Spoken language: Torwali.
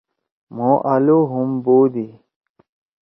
مھو آلو ہُم بودی۔